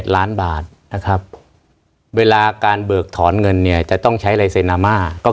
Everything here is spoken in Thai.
ล้านบาทนะครับเวลาการเบิกถอนเงินเนี่ยจะต้องใช้ลายเซนาม่าก็